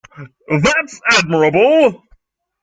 That's admirable